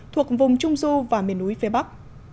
thuộc vùng trung du và miền núi phía bắc